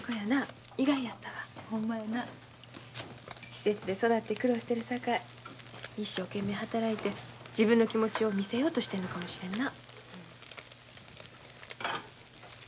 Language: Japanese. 施設で育って苦労してるさかい一生懸命働いて自分の気持ちを見せようとしてるのかもしれんな。